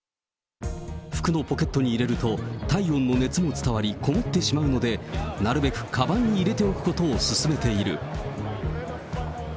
服のポケットに入れると体温の熱も伝わり、こもってしまうので、なるべくかばんに入れておくことを勧めている。